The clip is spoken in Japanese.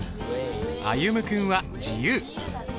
歩夢君は「自由」。